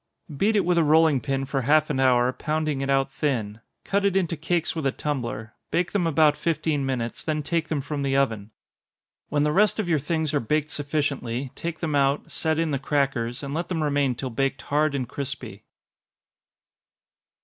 Beat it with a rolling pin for half an hour, pounding it out thin cut it into cakes with a tumbler bake them about fifteen minutes, then take them from the oven. When the rest of your things are baked sufficiently, take them out, set in the crackers, and let them remain till baked hard and crispy.